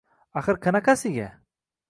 Axir qanaqasiga